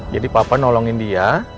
jadi papa nolongin dia